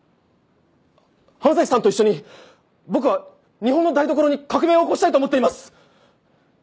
浜崎さんと一緒に僕は日本の台所に革命を起こしたいと思っています！